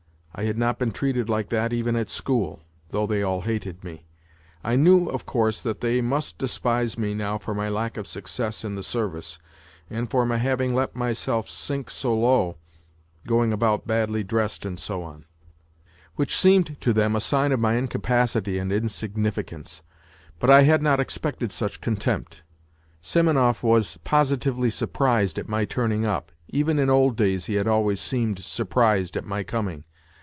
I had not been treated like that even at school, though they all hated me. I knew, of course, that they must despise me now for my lack of success in the ice, and for my having let myself sink so low, going about NOTES FROM UNDERGROUND 97 badly dressed and so on which seemed to them a sign of my incapacity and insignificance. But I had not expected such contempt. Simonov was positively surprised at my turning up. Even in old days he had always seemed surprised at my coming.